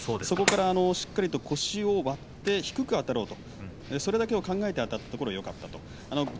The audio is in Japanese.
そこからしっかりと腰を割って低くあたろうとそれだけを考えてあたっていったところがよかったと。